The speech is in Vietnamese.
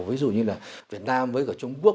ví dụ như là việt nam với trung quốc